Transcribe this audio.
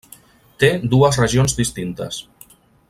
Té dues regions distintes.